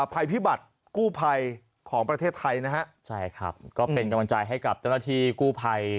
ภัยพิบัติกู้ภัยของประเทศไทยนะฮะใช่ครับก็เป็นกำลังใจให้กับเจ้าหน้าที่กู้ภัย